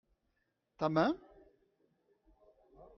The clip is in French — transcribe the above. ta main.